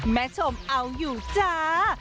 แม่ชมเอาอยู่จ้า